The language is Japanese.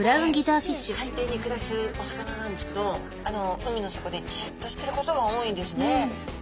海底に暮らすお魚なんですけど海の底でじっとしてることが多いんですね。